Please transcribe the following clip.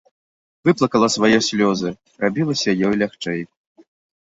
Выплакала свае слёзы, рабілася ёй лягчэй.